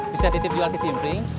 bisa titip jual ke cimplink